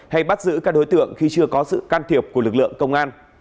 hay bắt giữ các đối tượng khi chưa có sự can thiệp của lực lượng công an